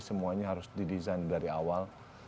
semuanya harus didesain dari awal